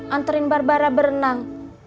anterin barbara berenang